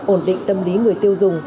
ổn định tâm lý người tiêu dùng